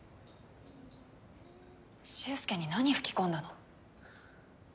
周介に何吹き込んだの？